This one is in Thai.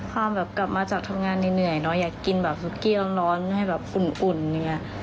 ความแบบกลับมาจากทำงานเหนื่อยเนอะอยากกินแบบสุดกี้ร้อนให้แบบอุ่นอย่างนี้